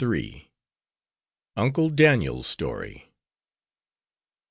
UNCLE DANIEL'S STORY.